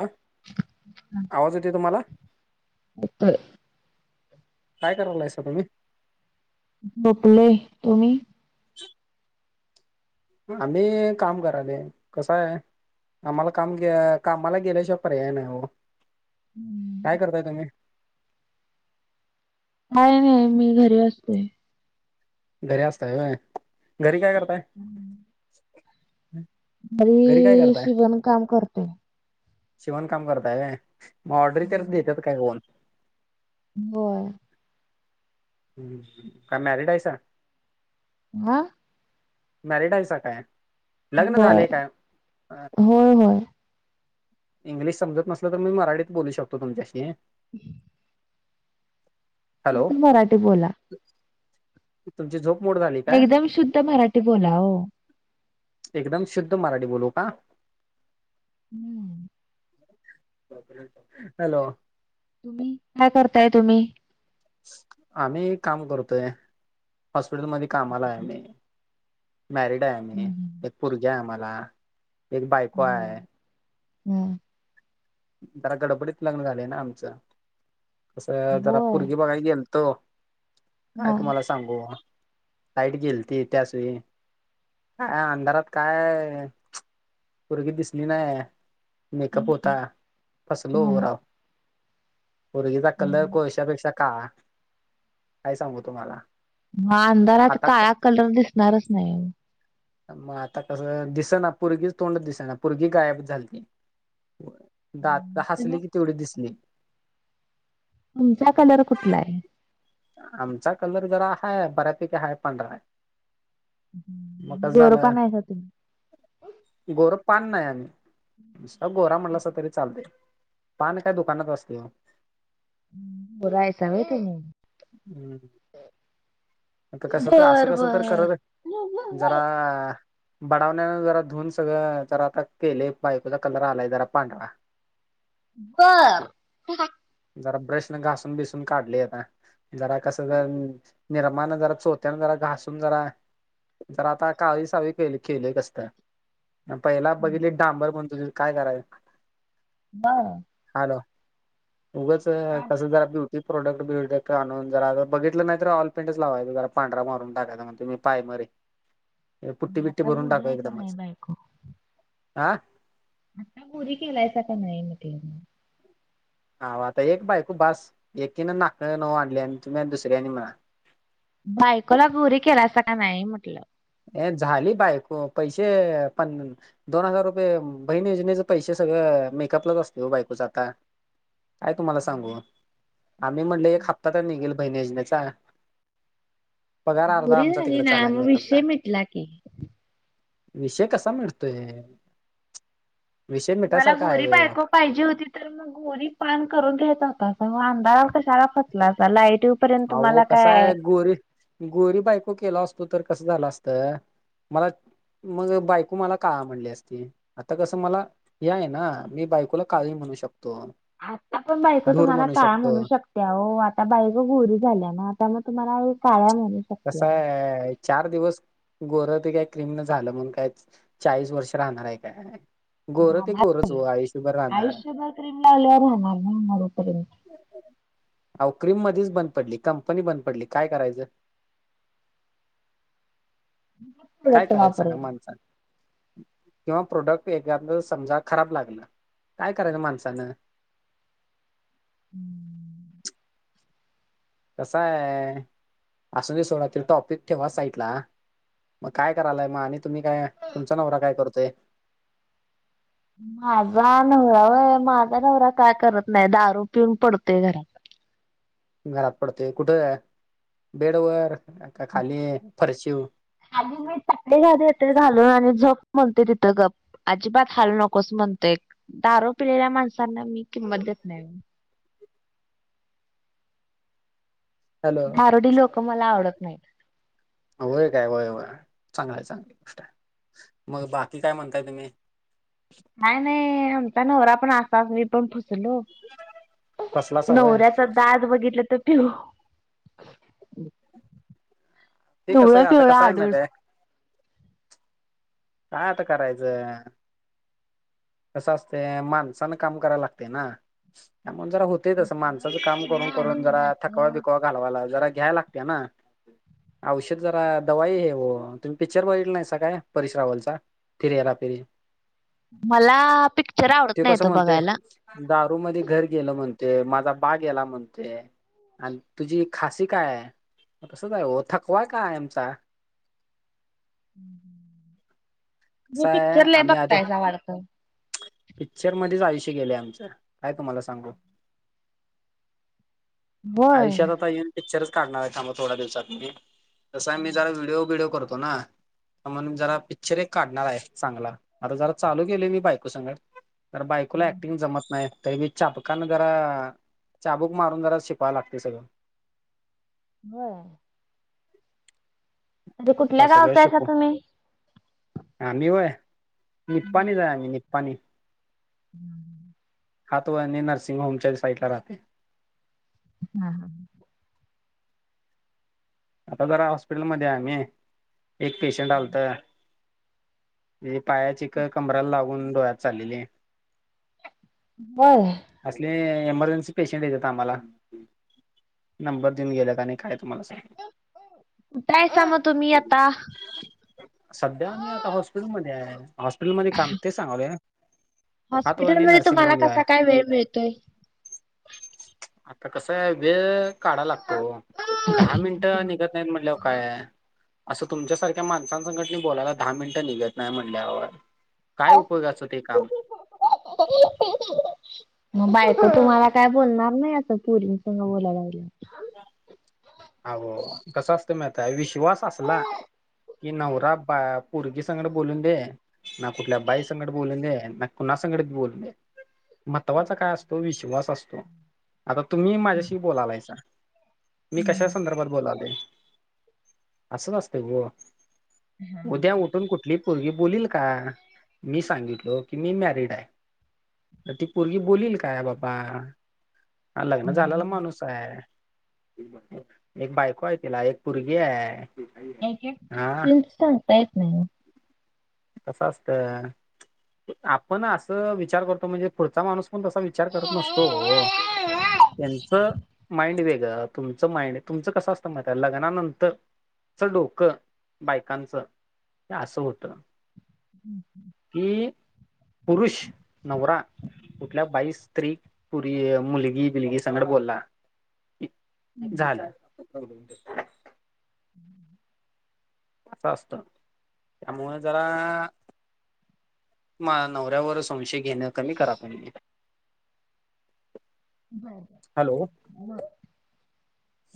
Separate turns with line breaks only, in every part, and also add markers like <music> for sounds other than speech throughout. ह आवाज येतोय तुम्हाला?
येतोय.
काय करालायंसा तुम्ही?
झोपलोय. तुम्ही?
आम्ही काम करालयं. कसं हाय? आम्हाला काम अ कामाला गेल्याशिवाय पर्याय नाही ओ.
हम्म.
काय करताय तुम्ही?
काही नाही मी घरी असते.
घरी असताय व्हयं. घरी काय करताय?
हम्म.
काय
घरी
करताय
शिवण काम करतोय.
शिवण काम करताय होय. मग ऑर्डरी तरी देत्यात काय कोण?
व्हय.
हं. काय मॅरिड आहेसा?
हां?
मॅरिड आहेसा काय? लग्न
होय.
झालंय का?
होय, होय.
इंग्लिश समजत नसलं तर मी मराठीत बोलू शकतो तुमच्याशी. हॅलो
मराठी बोला.
तुमची झोप मोड झाली का?
एकदम शुद्ध मराठी बोला ओ.
एकदम शुद्ध मराठी बोलू का?
हम्म.
हॅलो.
काय करताय तुम्ही?
आम्ही काम करतोय. हॉस्पिटल मध्ये कामाला आहे आम्ही. मॅरिड आहे आम्ही.
हं.
एक पूरगी आहे आम्हाला. एक बायको आहे
बर. हम्म.
जरा गडबडीत लग्न झालंय ना आमचं, कसं जरा
होय.
पोरगी बघायला गेलतो काय
हा.
तुम्हाला सांगू? लाईट गेलंती त्याच वेळी. काय अंधारात काय पुरगी दिसली नाही. मेकअप होता, फसलो ओ
हा.
राव. पोरगीचा कलर
हम्म.
कोळशापेक्षा काळा, काय सांगू तुम्हाला.
म अंधारात
आता
काळा कलर दिसणारच नाही.
मग आता कसं दिसना पुरगीच तोंडच दिसना, पुरगी गायबच झालती. दात
तुम्ही
हसली की तेवढीच दिसले.
तुमचा कलर कुठला आहे?
आमचा कलर जरा हाय बऱ्यापैकी हाय पांढरा आहे.
हम्म गोरपानं आहे सा तुम्ही?
गोरं पान नाही आम्ही, नुसता गोरा म्हणलासा तरी चालंतेय, पान काय दुकानात असते हो.
गोरं आहेस का नाही तुम्ही?
हम्म, आता कसं तर असं
बर
कसं तर
बर.
करत जरा बडावण्या जरा धुून सगळं जरा आता केले, बायकोचा कलर आलाय जरा पांढरा.
हो, हं हा.
जरा ब्रश नं घासून- बिसून काढले आता जरा कस जर मानं जरा चोथ्याने जरा घासून जरा, जरा आता काळी- सावळी केली -केली जस काय पहिला बघितली त डांबर म्हण तुझी काय कराय
बर.
हा ना उगंच कसं जरा <unintelligible> ती प्रोडक्ट- बिडक्ट आणून जरा बघित ना तर ऑइल पेंट लावायचा जरा पांढरा मारून टाकायचा म्हणतो मी प्रायमरी ते पुट्टी- बिट्टी
आता
भरून
गोरी
टाका
आहे का
एकदम,
नाही बायको
हा.
आता गोरी केलायचा का नाही म्हटले?
हं आता एक बायको बास एकीनं नाकी नव आणली आणि तुम्ही अन् दुसऱ्यानदी म्हणा
बायकोला गोरी केला का नाही म्हटलं?
हे झाली बायको, पैशे पण अं दोन हजार रुपये बहिण योजनेचे पैशे सगळं मेकअपलाच असते ओ बायकोच आता. काय तुम्हाला सांगू? आम्ही म्हणले एक हप्ता त निघेल बहिण योजणेचा, पगार अर्धा
गोरी
आमचा
झाली
तिकडंच
ना
चालंलाय
मग
मेकअपला.
विषय मिटला की
विषय कसा मिटतोय? विषय
तुम्हाला
मिटायसारखा आहे
गोरी
व्हय हो
बायको पाहिजे होती तर मग गोरी पान करून घ्यायचा होता, पण अस अंधारवर कशाला फसला होता लाईट येऊ
आओ कसा ये गोरी गोरी बायको केला असतो, तर कसं झालं असत मग मग बायको मला काळा म्हणली असती,, आता कसं मला हे आहे ना, मी बायकोला काळी म्हणू शकतो.
आता पण बायको
धूर
तुम्हाला काळं
शकतो
म्हणू शक त्या ओ आता बाईको गोरी झाल्या ना, मग आता मग तुम्हाला काळ्या म्हणु
कसं ये चार दिवस गोर ते काय क्रिम नं झालं, म्हणुन ते काय चाळीस वर्ष राहणार ये काय? गोरं ते गोरंच हो आयुष्यभर राहणार.
आयुष्यभर क्रीम लागल्यावर होणार न होणार पर्यंत.
अ क्रीम मधीच बंद पडली. कंपनी बंद पडली काय करायचं.
<unintelligible>
काय करायचं सांगा
वापरला.
माणसान. किंवा प्रोडक्ट एकाद समजा खराब लागल. काय करायच माणसानं.
हम्म.
कस आहे. असूदे सोडा तो टॉपिक ठेवा साईडला. मग काय करायालाय मग आणि तुम्ही काय? तुमचा नवरा काय करतोय?
माझा नवरा होय. माझा नवरा काय करत नाही दारू पिऊन पडतोय घरात.
घरात पडतोय. कुठ? बेड वर का खाली फरशिवर
खाली मी चटई देते घालून आणि झोप म्हणते तिथं गप. अजिबात हालू नकोस म्हणतोय. दारू पिलेल्या माणसांना मी किंमत देत नाही.
हॅलो
दारुडी लोक मला आवडत नाहीत.
होय काय वय वय चांगलं चांगली गोष्ट आहे. मग बाकी काय म्हणताय तुम्ही?
नाही नाही. आमचा नवरा पण आसाच मी पण फसलो.
कसलाच हवंय
नवऱ्यात दात बघितलं तर पिऊ
ते कसं
पिवळं
आता
पिवळं
कसं आहे
आढूळ
माहित आहे काय आता करायचं. कसं असतय. माणसान काम करायला लागते ना. त्यामुळे जरा होत. होते तस माणसाचं काम
पिवळं
करून करून
आढूळ
जरा थकवा
दात
बिकवा घालवायला जरा घ्याय लागते ना. औषध जरा दवाई हे ओ. तुम्ही पिक्चर बघितला नाहीसा काय. परि- ट्रॅव्हल चा फिर हेरा फेरी.
मला पिक्चर आवडत नाही
कसं
तो
म्हणतोय
बघायला.
दारू मध्ये घर गेलं म्हणते. माझा बा गेला म्हणते आणि तुझी खासी काय हाय? तसच आहे थकवा आहे कायमचा.
हम. तुम्ही
कसा आहे
पिक्चर लय
आम्ही आता
बघतायसा वाटतं.
पिक्चर मध्येच आयुष्य गेले आमच काय तुम्हाला सांगू.
होय.
आयुष्यात आता येऊन पिक्चरच काढणार आहे. थांबा थोड्या दिवसान मी. कस मी जरा व्हिडिओ बिडिओ करतोय ना. म्हणून जरा पिक्चर एक काढणार आहे चांगला. आता जरा चालू केलोय मी बायको संगट तर बायकोला ॲक्टिंग जमत नाही. तरी बी चापकान जरा चाबूक मारून जरा शिकवाव लागते सगळं.
होय. म्हणजे कुठल्या
सगळं
गावच आहेसा
शिकू
तुम्ही?
आम्ही होय. निपाणीत हाय आम्ही निपाणीत.
हम्म.
हा तो आम्ही नर्सिंग होमच्या साईड ला राहतोय.
हा हा.
आता जरा हॉस्पिटलमध्ये आहे आम्ही एक पेशंट आलत. म्हणजे पायाची कळ कमरला लागून डोळ्यात चाललेली.
होय.
असली एमर्जन्सी पेशंट येतात आम्हाला. नंबर देऊन गेल्यात आणि काय तुम्हाला सांगू.
मग काय सांगा तुम्ही आता?
सध्या मी आता हॉस्पिटलमध्ये आहे हॉस्पिटलमध्ये काम तेच सांगालोय ना.
हॉस्पिटलमध्ये तुम्हाला कसा
आहे
काय वेळ मिळतोय.
आता कसं आहे वेळ- काढायला लागतो वो दहा मिनिट निघत नाहीत म्हटल्यावर काय य असं तुमच्यासारख्या माणसां संघटनी बोलायला दहा मिनिटं निघत नाही म्हणल्यावर- काय उपयोगाचं ते काम.
<inaudible> मग बायको तुम्हाला काय बोलणार नाही असं पोरींनसग बोलायला लागलं-
अहो कस असतं महितीये विश्वास असला- की नवरा बा पोरगी संघड बोलून दे- ना कुठल्या बाई संघट बोलवून दे ना कुणा संघट बोलून दे- महत्वाचा काय असतो विश्वास असतो आता तुम्ही माझ्याशी बोलालायस - मी कशा
हम्म.
संदर्भात बोलालोय अस नसतय ओ. उद्या उठून कुठली पोरंगी बोलील का मी सांगितलो की मी मॅरिड आहे. म ती पोरगी बोलील काय बाबा हा लग्न झालेला माणूस आहे. एक बायको आहे तिला एक पोरगी आहे. हा
पोरिंच सांगता येत नाही ओ.
कस असत आपण असं विचार करतो म्हणजे पुढचा माणूस पण तसा विचार करत नसतो
ओ.
ओ त्यांचं माइंड वेगळं तुमचं माइंड तुमचं कसं असतं माहिती ये लग्नानंतर - तुमचं डोकं बायकांच हे असं होतं.
हं हं
कि पुरुष, नवरा कुठल्या बाईस, स्त्री, पोरगी, मुलगी बिलगी सगत बोलला. की झालं
हं
अस असतं त्यामुळे जरा मा नवऱ्यावरच संशय घेणं कमी करा तुम्ही
बरं
हॅलो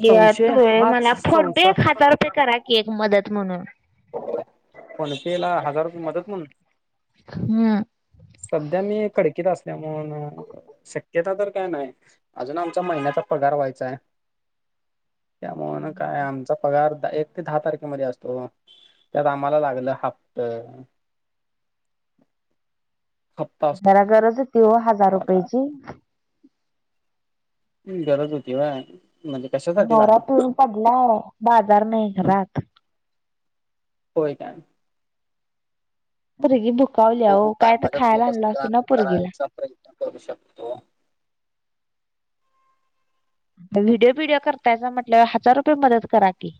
या
संशय
तू
हाच
मला फोन पे
संसार
एक हजार रुपये करा की एक मदत म्हणून
फोन पे ला हजार रुपये मदत म्हणुन
हम्म
सध्या मी कडकीत असल्यामुळ म्हणून शक्य तिथ तर काय नाही अजून आमचा महिन्याचा पगार व्हायचा आहे. त्यामुळ न काय आमचा पगार एक ते दहा तारखेमध्ये असतो. त्यात आम्हाला लागलं हप्तं हप्
जरा गरज होती ओ हजार रुपयाची
गरज होती व्हय म्हणजे कशासाठी
नवरा
लागलं
पिऊन पडला बाजार नाही घरात.
होय काय
पोरगी भुकावली या
बघू
वो काय तर
मदत
खायला
होत असली
आणलं
तर
असतो ना
आम्ही
पुरगीला
करायचा प्रयत्न करू शकतो.
व्हिडिओ बिडिओ करतायसा म्हटल्यावर हजार रुपये मदत करा की.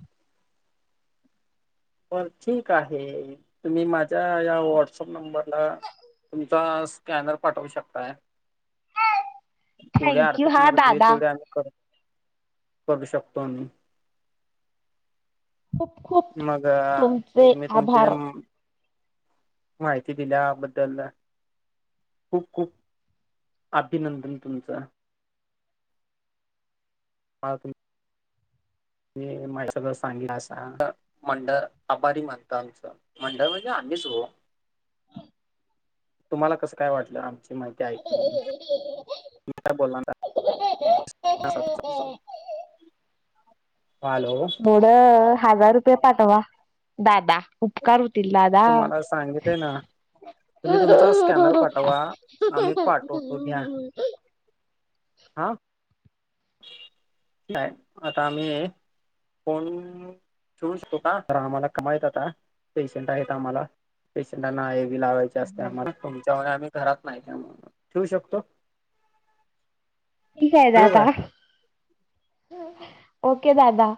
बर ठीक आहे तुम्ही माझ्या या व्हॉट्सअप नंबरला तुमचा स्कॅनर पाठवू शकताय.
हेस.
तेवढी आर्थिक मदत होईल तेवढी आम्ही कर करू शकतो आम्ही.
खूप खूप
मग
तुमचे
तुम्ही तुमचे
आभार
म. माहिती दिल्याबद्दल. खूप खूप अभिनंदन तुमचं. हा कि. की मला सगळं सांगितलास. मंडळ आभारी मानत आमचं मंडळ म्हणजे आम्हीच हो. तुम्हाला कस काय वाटलं. आमची माहिती ऐकून तुम्ही काय बोलणार. हाव हॅलो.
थोड हजार रुपये पाठवा दादा. उपकार होतील दादा.
तुम्हाला
ह
सांगितले ना तुम्ही
ह्ह
तुमचा स्कॅनर पाठवा आम्ही
अअअअअअ
पाठवतो घ्या
ह.
हा. काय आता आम्ही कोण. ठेवु शकतो का तर आम्हाला काम आहेत आता पेसेंट आहे आम्हाला. पेशंटांना हेवी लावायचं. जास्त आम्हा
बर
तुमच्या वाणी आम्ही घरात नाही त्या ठेवू शकतो.
ठीक आहे
ठेवू काय
दादा ओके दादा.